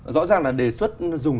rõ ràng là đề xuất dùng